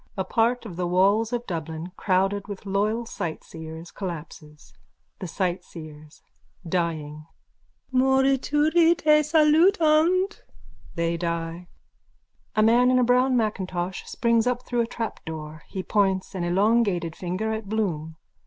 A part of the walls of Dublin, crowded with loyal sightseers, collapses.)_ THE SIGHTSEERS: (Dying.) Morituri te salutant. (They die.) _(A man in a brown macintosh springs up through a trapdoor. He points an elongated finger at Bloom.)